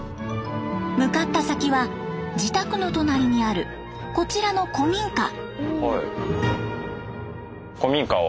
向かった先は自宅の隣にあるこちらの古民家。